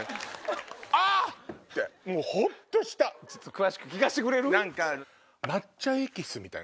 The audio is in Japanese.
詳しく聞かしてくれる？